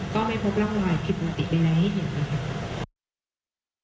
ก็ไม่พบร่างรอยผิดปกติอะไรให้เห็นนะคะ